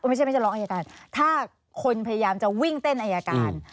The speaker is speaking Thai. ไม่ใช่ไม่ใช่ร้องอายการถ้าคนพยายามจะวิ่งเต้นอายการ